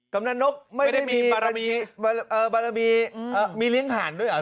กำลังนกไม่ได้มีไม่ได้มีเอ่อบารมีเอ่อมีเลี้ยงผ่านด้วยหรอ